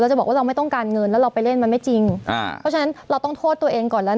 จะบอกว่าเราไม่ต้องการเงินแล้วเราไปเล่นมันไม่จริงอ่าเพราะฉะนั้นเราต้องโทษตัวเองก่อนแล้ว